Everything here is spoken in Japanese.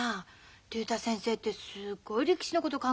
竜太先生ってすごい力士のこと考えてんのよ。